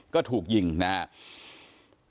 ก็ถูกยิงนะครับ